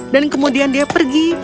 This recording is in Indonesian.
dan kemudian kau akan pergi